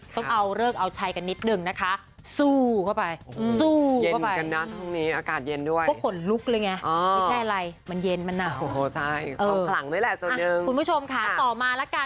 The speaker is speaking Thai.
ต้องเอาเลิกเอาใช้กันนิดหนึ่งนะคะ